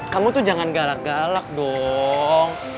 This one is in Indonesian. kamu tuh jangan galak galak dong